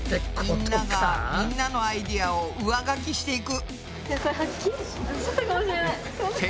みんながみんなのアイデアを上書きしていく。